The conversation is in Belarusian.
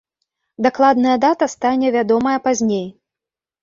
Дакладная дата стане вядомая пазней.